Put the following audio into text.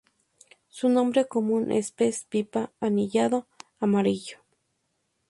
Su nombre común es pez pipa anillado amarillo.